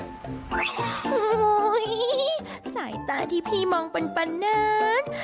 โอ้โหสายตาที่พี่มองเป็นปะนั้น